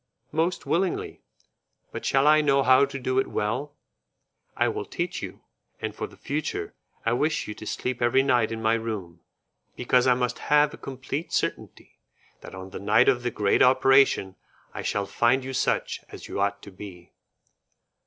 "Most willingly, but shall I know how to do it well?" "I will teach you, and for the future I wish you to sleep every night in my room, because I must have a complete certainty that on the night of the great operation I shall find you such as you ought to be."